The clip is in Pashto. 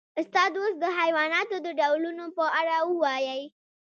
استاده اوس د حیواناتو د ډولونو په اړه ووایئ